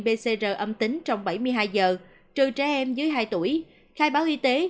pcr âm tính trong bảy mươi hai giờ trừ trẻ em dưới hai tuổi khai báo y tế